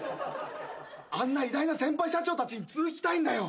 あんな偉大な先輩社長たちに続きたいんだよ。